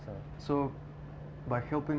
membantu diri kita sendiri